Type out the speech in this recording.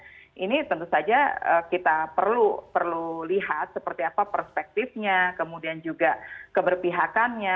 nah ini tentu saja kita perlu lihat seperti apa perspektifnya kemudian juga keberpihakannya